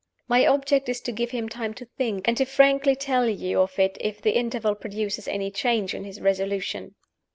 My object is to give him time to think, and to frankly tell you of it if the interval produce any change in his resolution.